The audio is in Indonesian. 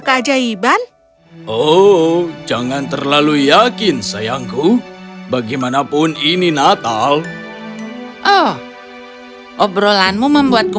keajaiban oh jangan terlalu yakin sayangku bagaimanapun ini natal oh obrolanmu membuatku